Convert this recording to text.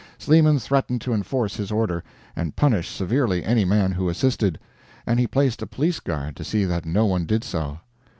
Sleeman threatened to enforce his order, and punish severely any man who assisted; and he placed a police guard to see that no one did so.